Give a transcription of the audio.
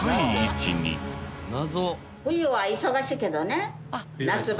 謎！